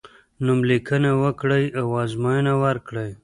نوم لیکنه وکړی او ازموینه ورکړی.